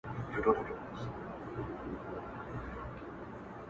عمرونه وسول په تیارو کي دي رواني جرګې-